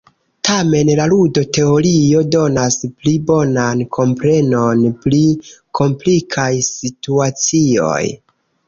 Tamen, la ludo-teorio donas pli bonan komprenon pri komplikaj situacioj.